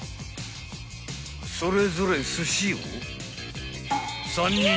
［それぞれすしを］